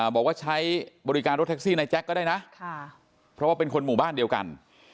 บอกว่าใช้บริการรถแท็กซี่ในแจ็คก็ได้นะเพราะว่าเป็นคนหมู่บ้านเดียวกัน